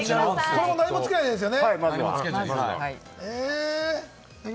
これも何もつけないんですよ